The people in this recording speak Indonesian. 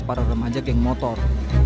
para remaja geng motor